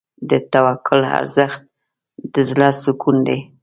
د توکل ارزښت د زړه سکون دی.